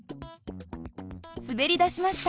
滑りだしました。